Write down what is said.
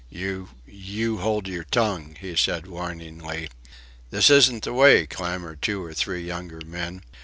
"You you hold your tongue," he said, warningly. "This isn't the way," clamoured two or three younger men.